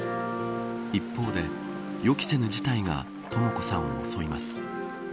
一方で、予期せぬ事態がとも子さんを襲います。